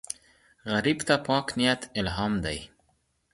غریب ته پاک نیت الهام دی